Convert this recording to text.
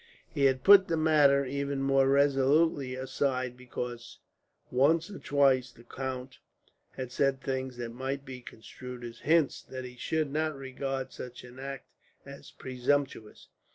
He had put the matter even more resolutely aside because, once or twice, the count had said things that might be construed as hints that he should not regard such an act as presumptuous.